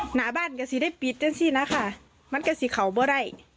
หน้าบ้านก็จะได้ปิดนั่นสินะคะมันก็จะเขาบร้าย